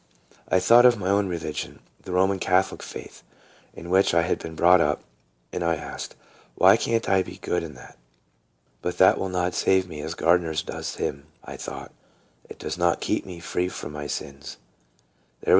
I thought of my own religion, the Roman catholic faith, in which I had been brought up, and I asked, " Why can't I be good in that ?"" But that will not save me as Gardner's does him," I thought ;" it does not keep me free from my sins." There was BEHOLD, HE PRA YETH.